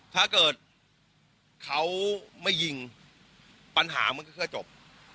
ถ้าเกิดเขาไม่ยิงปัญหามันก็ค่อยจบ